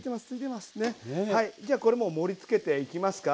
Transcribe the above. はいじゃこれもう盛りつけていきますか。